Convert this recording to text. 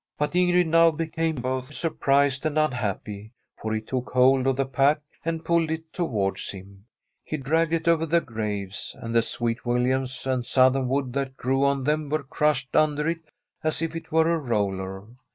But Inerid now became both surprised and unhappy, tor be took hold of the pack and pulled it towards him. He dragged it over the graves, and the sweet williams and southernwood that grew on them were crushed under it as if it were a roller.